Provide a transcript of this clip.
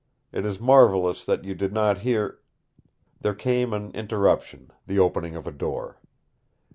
It is marvelous that you did not hear " There came an interruption, the opening of a door.